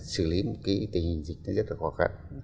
sử lý một cái tình hình dịch nó rất là khó khăn